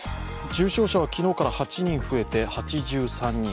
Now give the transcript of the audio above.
重症者は昨日から８人増えて８３人。